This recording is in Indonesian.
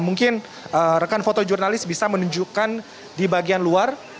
mungkin rekan foto jurnalis bisa menunjukkan di bagian luar